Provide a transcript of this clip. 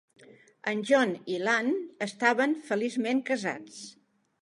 En John i l'Anne estaven feliçment casats.